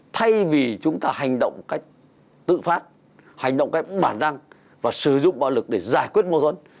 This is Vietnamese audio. thay vì chúng ta hành động cách tự phát hành động cách bản năng và sử dụng bạo lực để giải quyết mâu thuẫn